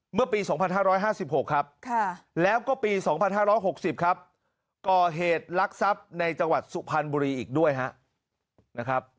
เมื่อปี๒๕๕๖ครับแล้วก็ปี๒๕๖๐ครับก่อเหตุลักษัพในจังหวัดสุพรรณบุรีอีกด้วยนะครับ